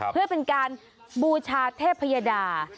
เพื่อเป็นการบูชาเทพยดา